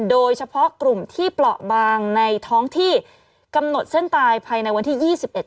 โดยเฉพาะกลุ่มที่เปราะบางในท้องที่กำหนดเส้นตายภายในวันที่ยี่สิบเอ็ด